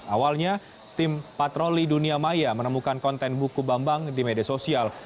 awalnya tim patroli dunia maya menemukan konten buku bambang di media sosial